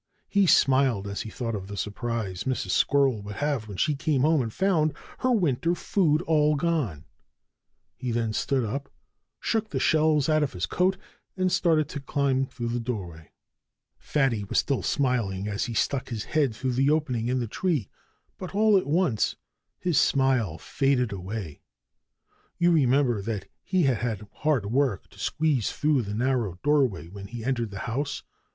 He smiled as he thought of the surprise Mrs. Squirrel would have when she came home and found her winter food all gone. And then he stood up, shook the shells out of his coat, and started to climb through the doorway. Fatty was still smiling as he stuck his head through the opening in the tree. But all at once his smile faded away. You remember that he had had hard work to squeeze through the narrow doorway when he entered the house?